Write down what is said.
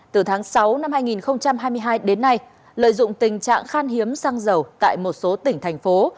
từ tháng sáu năm hai nghìn hai mươi hai đến nay lợi dụng tình trạng khan hiếm xăng dầu tại một số tỉnh thành phố